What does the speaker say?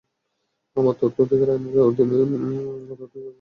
আমরা তথ্য অধিকার আইনের অধীনে তথ্যের জন্য অবেদন করেছি।